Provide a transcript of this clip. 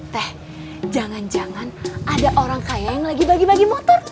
teh jangan jangan ada orang kaya yang lagi bagi bagi motor